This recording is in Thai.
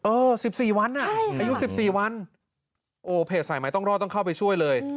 เออ๑๔วันอ่ะอายุ๑๔วันโอ้เพจสายไม้ต้องรอดต้องเข้าไปช่วยเลย